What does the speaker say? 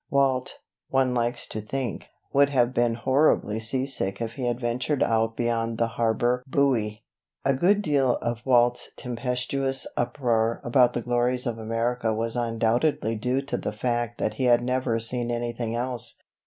Walt, one likes to think, would have been horribly sea sick if he had ventured out beyond the harbour buoy. A good deal of Walt's tempestuous uproar about the glories of America was undoubtedly due to the fact that he had never seen anything else.